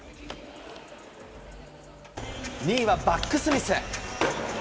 ２位はバックスミス。